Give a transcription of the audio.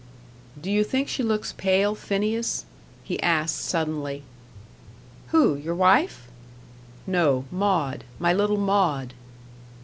"Do you think she looks pale, Phineas?" he asked suddenly. "Who your wife?" "No Maud. My little Maud."